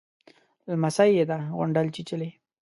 _لمسۍ يې ده، غونډل چيچلې.